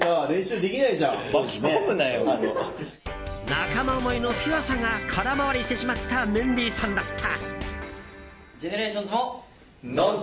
仲間思いのピュアさが空回りしてしまったメンディーさんだった。